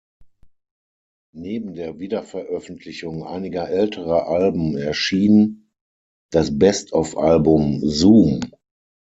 Neben der Wiederveröffentlichung einiger älterer Alben erschien das Best-of-Album "Zoom!